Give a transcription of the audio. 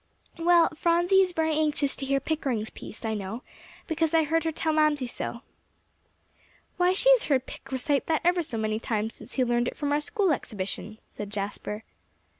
"Well, Phronsie is very anxious to hear Pickering's piece; I know, because I heard her tell Mamsie so." "Why, she has heard Pick recite that ever so many times since he learned it for our school exhibition," said Jasper.